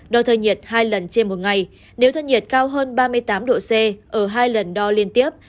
đo thân nhiệt hai lần trên một ngày nếu thân nhiệt cao hơn ba mươi tám độ c ở hai lần đo liên tiếp